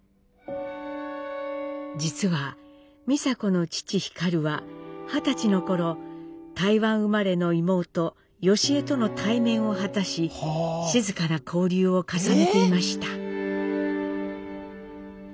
実は美佐子の父皓は二十歳の頃台湾生まれの妹祥江との対面を果たし静かな交流を重ねていました。